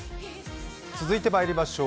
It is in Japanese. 続いてまいりましょう。